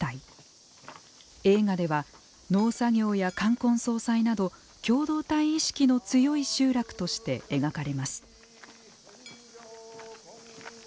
映画では農作業や冠婚葬祭など共同体意識の強い集落として描かれます。